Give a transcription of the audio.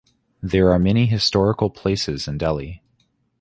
There are many historical places in Delhi.